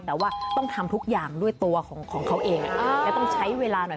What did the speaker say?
แต่ว่าต้องทำทุกอย่างด้วยตัวของเขาเองและต้องใช้เวลาหน่อย